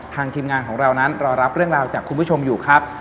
ทีมงานของเรานั้นรอรับเรื่องราวจากคุณผู้ชมอยู่ครับ